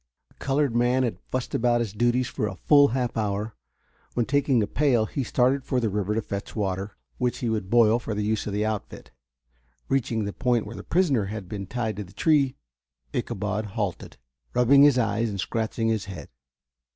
The colored man had fussed about his duties for a full half hour, when taking a pail he started for the river to fetch water which he would boil for the use of the outfit. Reaching the point where the prisoner had been tied to the tree Ichabod halted, rubbing his eyes and scratching his head.